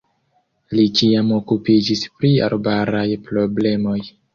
Li ĉiam okupiĝis pri arbaraj problemoj.